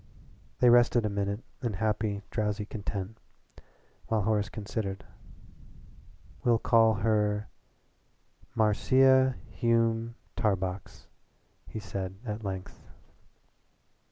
They rested a minute in happy, drowsy content, while Horace considered. "We'll call her Marcia Hume Tarbox," he said at length.